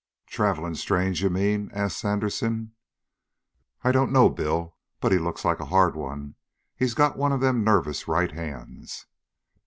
"Traveling strange, you mean?" asked Sandersen. "I dunno, Bill, but he looks like a hard one. He's got one of them nervous right hands."